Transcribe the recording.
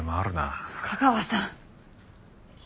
架川さん！